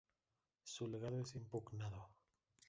Su legado es impugnado.